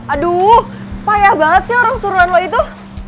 aduh payah banget sih orang suruhan lo itu